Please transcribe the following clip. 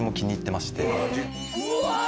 うわ！